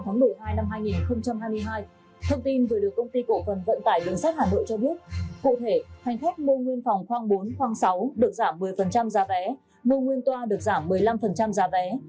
thông tin vừa được công ty cổ phần vận tải đường sắt hà nội cho biết cụ thể hành khách mua nguyên phòng khoang bốn khoang sáu được giảm một mươi giá vé mua nguyên toa được giảm một mươi năm giá vé